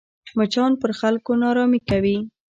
مچان پر خلکو ناارامي کوي